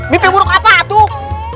mimpi buruk apa tuh